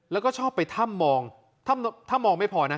แล้วก็ชอบไปถ้ำมองถ้ามองไม่พอนะ